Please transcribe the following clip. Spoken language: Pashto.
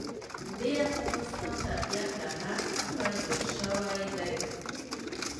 د افغانستان طبیعت له نفت څخه جوړ شوی دی.